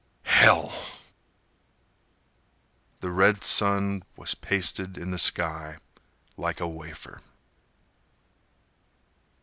"Hell—" The red sun was pasted in the sky like a wafer.